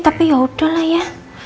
tapi yaudah lah ya